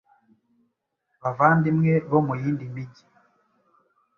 Bavandimwe bo mu yindi mijyi.